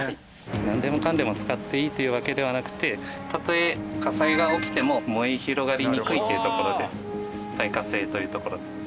なんでもかんでも使っていいというわけではなくてたとえ火災が起きても燃え広がりにくいというところで耐火性というところで。